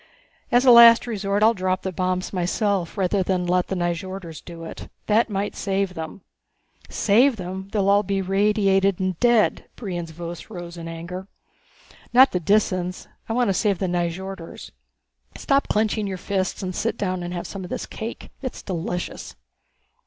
As a last resort I'll drop the bombs myself rather than let the Nyjorders do it. That might save them." "Save them they'd all be radiated and dead!" Brion's voice rose in anger. "Not the Disans. I want to save the Nyjorders. Stop clenching your fists and sit down and have some of this cake. It's delicious.